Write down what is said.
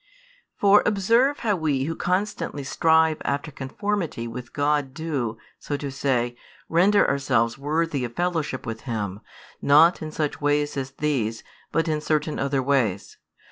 For observe how we who constantly strive after conformity with God do (so to say) render ourselves worthy of fellowship with Him, not in such ways as these, but in certain other ways.